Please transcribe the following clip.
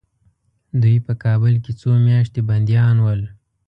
دوی په کابل کې څو میاشتې بندیان ول.